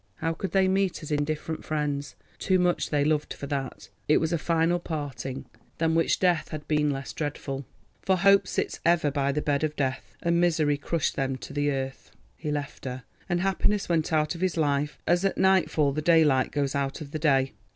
How could they meet as indifferent friends? Too much they loved for that. It was a final parting, than which death had been less dreadful—for Hope sits ever by the bed of death—and misery crushed them to the earth. He left her, and happiness went out of his life as at nightfall the daylight goes out of the day.